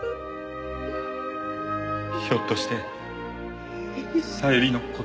ひょっとして小百合の事が。